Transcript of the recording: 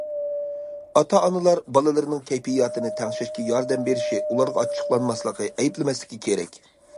ئاتا- ئانىلار بالىلىرىنىڭ كەيپىياتىنى تەڭشەشكە ياردەم بېرىشى، ئۇلارغا ئاچچىقلانماسلىقى، ئەيىبلىمەسلىكى كېرەك.